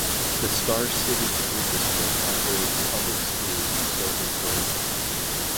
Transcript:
The Star City School District operates public schools serving Grady.